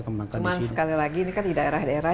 kembangkan di sini cuma sekali lagi ini kan di daerah daerah